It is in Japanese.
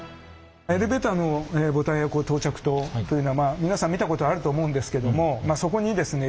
エレベーターのボタンや到着灯というのはまあ皆さん見たことあると思うんですけどもまあそこにですね